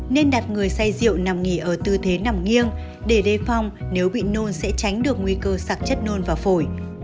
nên đặt người say rượu nằm nghỉ ở tư thế nằm nghiêng để đề phòng nếu bị nôn sẽ tránh được nguy cơ sạc chất nôn và phổi